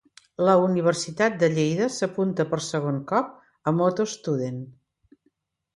La Universitat de Lleida s'apunta, per segon cop, a MotoStudent.